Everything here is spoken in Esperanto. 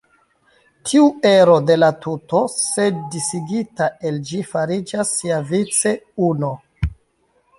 Tiu ero de la tuto, se disigita el ĝi fariĝas siavice uno.